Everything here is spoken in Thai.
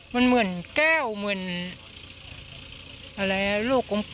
มันเหมือนแก้วเหมือนอะไรลูกกลม